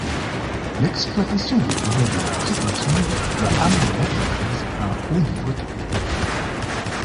L'exploitation des brevets de la précontrainte va amener l'entreprise à un haut niveau technique.